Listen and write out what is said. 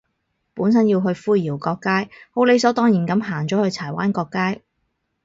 本身要去灰窰角街，好理所當然噉行咗去柴灣角街